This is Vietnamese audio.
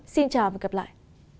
xin chào và gặp lại